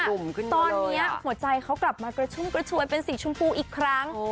ตอนนี้หัวใจเขากลับมากระชุ่มกระชวยเป็นสีชมพูอีกครั้ง